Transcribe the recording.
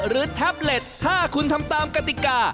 แท็บเล็ตถ้าคุณทำตามกติกา